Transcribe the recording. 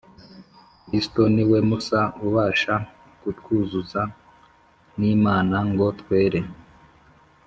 Kristo niwe musa ubasha kutwuzuza n’Imana ngo twere.